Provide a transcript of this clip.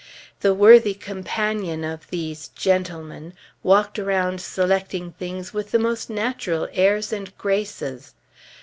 The worthy companion of these "gentlemen" walked around selecting things with the most natural airs and graces.